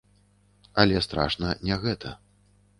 Але страшна не гэта.